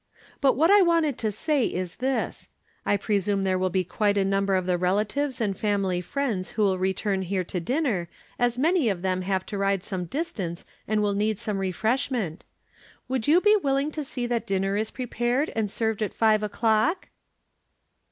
But what I wanted to say is this : I presume there will be quite a number of the relatives and family friends who will return here to dinner, as many of them have to ride some distance, and will need some refreshment, would you be wil ling to see that dinner is prepared and served at five o'clock?"